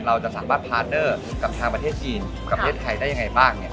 เราจะสามารถพาร์เนอร์กับทางประเทศจีนกับประเทศไทยได้ยังไงบ้าง